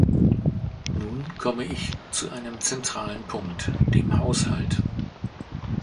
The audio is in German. Nun komme ich zu einem zentralen Punkt, dem Haushalt.